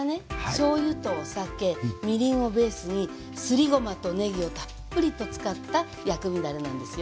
しょうゆとお酒みりんをベースにすりごまとねぎをたっぷりと使った薬味だれなんですよ。